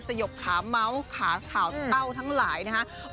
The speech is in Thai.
สยบขาเมาส์ขาข่าวเต้าทั้งหลายนะครับ